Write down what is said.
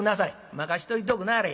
「任しといておくなはれ。